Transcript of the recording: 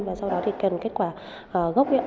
và sau đó thì cần kết quả gốc